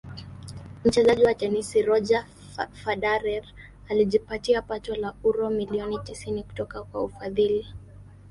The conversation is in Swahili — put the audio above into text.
mchezaji wa tenisi Roger Federer alijipatia pato la uro milioni tisini kutoka kwa ufadhili